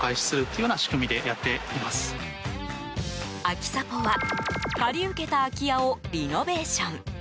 アキサポは借り受けた空き屋をリノベーション。